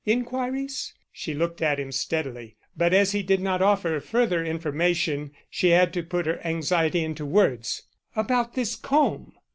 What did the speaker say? "Inquiries?" She looked at him steadily, but as he did not offer further information she had to put her anxiety into words. "About this comb?"